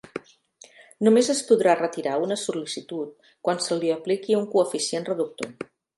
Només es podrà retirar una sol·licitud quan se li apliqui un coeficient reductor.